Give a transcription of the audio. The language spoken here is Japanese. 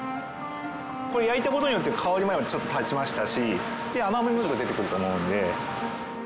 これ焼いた事によって香りもちょっと立ちましたし甘みもちょっと出てくると思うので。